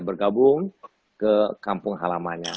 bergabung ke kampung halamanya